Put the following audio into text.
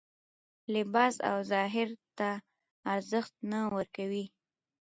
لباس او ظاهر ته ارزښت نه ورکوي